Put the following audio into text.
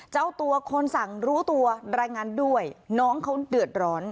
เจ้าตัวคนสั่งรู้ตัวรายงานด้วยน้องเขาเดือดร้อน